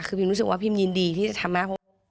คือพิมรู้สึกว่าพิมยินดีที่จะทำให้